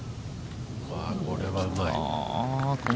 これはうまい。